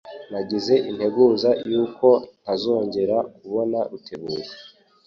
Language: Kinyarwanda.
Nagize integuza yuko ntazongera kubona Rutebuka.